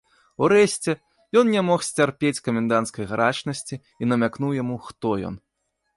Урэшце, ён не мог сцярпець каменданцкай гарачнасці і намякнуў яму, хто ён.